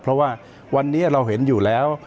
เพราะว่าวันนี้เราเห็นอยู่แล้ว